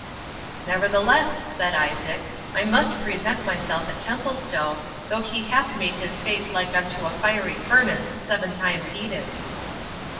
"Nevertheless," said Isaac, "I must present myself at Templestowe, though he hath made his face like unto a fiery furnace seven times heated."